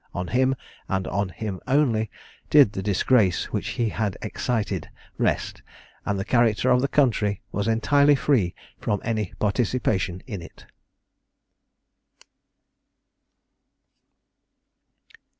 On him, and on him only, did the disgrace which he had excited rest, and the character of the country was entirely free from any participation in it.